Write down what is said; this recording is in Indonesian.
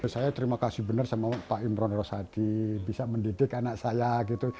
saya terima kasih benar sama pak imron rosadi bisa mendidik anak saya gitu